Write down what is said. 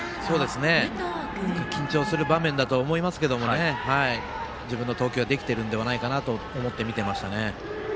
緊張する場面だと思いますけど自分の投球ができているのではないかと思って見ていましたね。